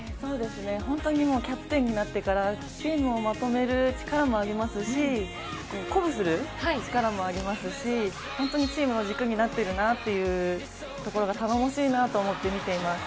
本当にキャプテンになってからチームをまとめる力もありますし、鼓舞する力もありますし、本当にチームの軸になってるなというところが頼もしいなと思って見ています。